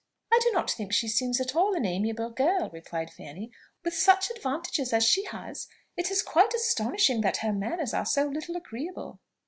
"I do not think she seems at all an amiable girl," replied Fanny. "With such advantages as she has, it is quite astonishing that her manners are so little agreeable."